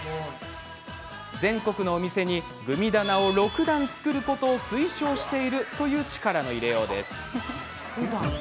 全国のお店にグミ棚を６段で作ることを推奨しているという力の入れようです。